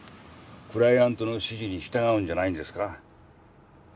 クライアントの指示に従うんじゃないんですか？